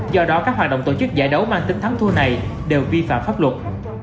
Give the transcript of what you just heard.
do đó các hoạt động tổ chức giải đấu mang tính thắng thua này đều vi phạm pháp luật